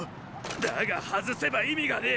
だが外せば意味がねェ！